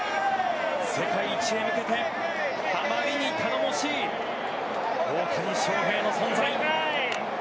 世界一へ向けてあまりに頼もしい大谷翔平の存在。